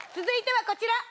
続いてはこちら！